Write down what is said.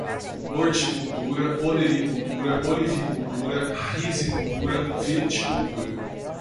horticultura, olericultura, olivicultura, rizicultura, viticultura